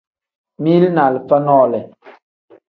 Mili ni alifa nole.